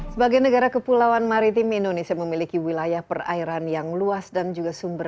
sebagai negara kepulauan maritim indonesia memiliki wilayah perairan yang luas dan juga sumber